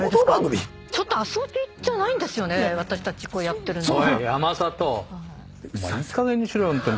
私たちやってるのは。